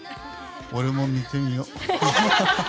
俺も見てみよう。